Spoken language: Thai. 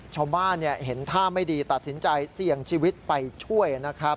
ชาวบ้านเห็นท่าไม่ดีตัดสินใจเสี่ยงชีวิตไปช่วยนะครับ